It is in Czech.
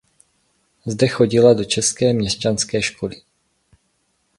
Zde chodila do české měšťanské školy.